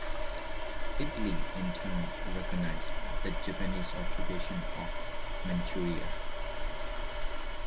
Italy in turn recognized the Japanese occupation of Manchuria.